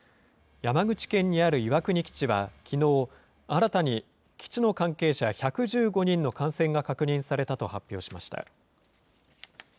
山口県にある岩国基地はきのう、新たに基地の関係者１１５人の感染が確認されたと発表しました。